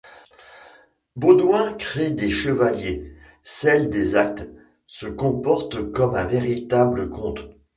Baudouin crée des chevaliers, scelle des actes, se comporte comme un véritable comte.